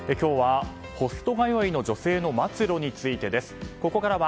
今日はホスト通いの女性の末路についてです。